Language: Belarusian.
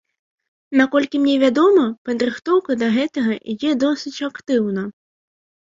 Наколькі мне вядома, падрыхтоўка да гэтага ідзе досыць актыўна.